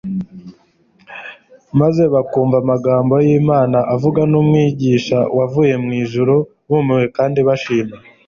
maze bakumva amagambo y'Imana avugwa n'Umwigisha wavuye mu ijuru, bumiwe kandi bashima.